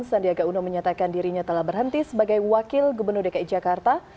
sandiaga uno menyatakan dirinya telah berhenti sebagai wakil gubernur dki jakarta